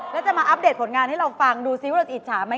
แล้วจะมาอัปเดตผลงานให้เราฟังดูซิว่าเราจะอิจฉาไหม